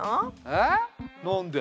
えっなんで？